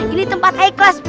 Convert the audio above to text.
ini tempat ikhlas